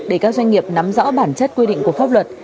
để các doanh nghiệp nắm rõ bản chất quy định của pháp luật